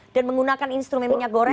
dan menggunakan instrumen minyak goreng